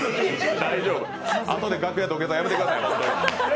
あとで楽屋で土下座やめてください。